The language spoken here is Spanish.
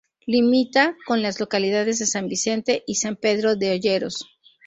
Limita con las localidades de San Vicente y San Pedro de Olleros.